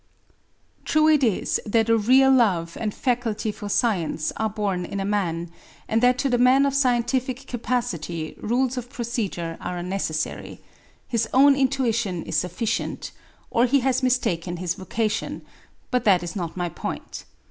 True it is that a real love and faculty for science are born in a man, and that to the man of scientific capacity rules of procedure are unnecessary; his own intuition is sufficient, or he has mistaken his vocation, but that is not my point.